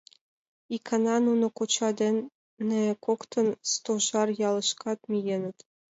Икана нуно коча дене коктын Стожар ялышкат миеныт.